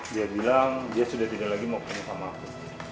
dia bilang dia sudah tidak lagi mau tanya sama aku